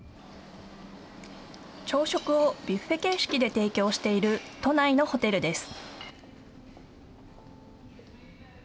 朝食をビュッフェ形式で提供している都内のホテルです。